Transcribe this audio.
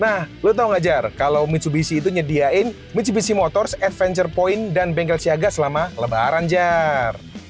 nah lu tahu nggak jar kalau mitsubishi itu menyediakan mitsubishi motors adventure point dan bengkel siaga selama lebaran jar